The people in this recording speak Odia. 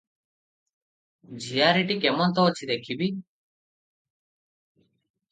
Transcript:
ଝିଆରିଟି କେମନ୍ତ ଅଛି ଦେଖିବି ।